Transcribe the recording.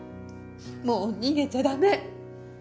もう逃げちゃダメ。